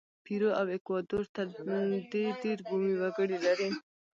پیرو او ایکوادور تر دې ډېر بومي وګړي لري.